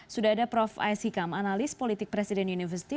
sudah ada prof aisyikam analis politik presiden universitas